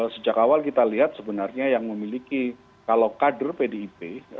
sejak awal kita lihat sebenarnya yang memiliki kalau kader pdip